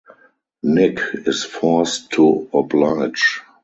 Nick is forced to oblige.